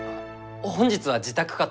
本日は自宅かと。